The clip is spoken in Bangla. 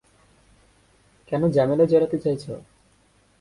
কেনো ঝামেলায় জড়াতে চাইছো?